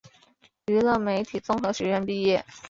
娱乐媒体综合学院毕业。